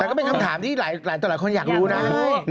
แต่ก็เป็นคำถามที่หลายต่อหลายคนอยากรู้นะ